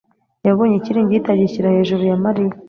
yabonye ikiringiti agishyira hejuru ya Mariya.